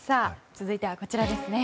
続いてはこちらですね。